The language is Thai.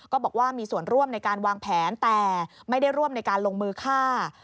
บอกว่ามีส่วนร่วมในการวางแผนแต่ไม่ได้ร่วมในการลงมือฆ่า